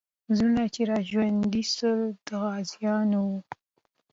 زړونه چې راژوندي سول، د غازیانو وو.